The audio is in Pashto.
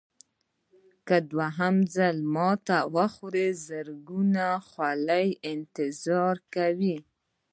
که دوهم ځل ماتې وخورئ زرګونه خولې انتظار کوي.